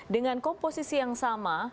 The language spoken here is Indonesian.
dengan komposisi yang sama